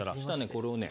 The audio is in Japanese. これをね